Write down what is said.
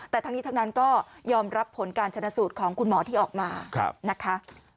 แต่ทั้งนี้ทั้งนั้นก็ยอมรับผลการชนะสูตรของคุณหมอที่ออกมานะคะ